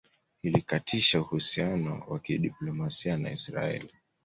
Ilikatisha uhusiano wa kidiplomasia na Israeli